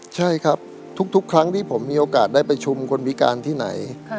ใช่ครับทุกครั้งที่ผมมีโอกาสได้ประชุมคนพิการที่ไหน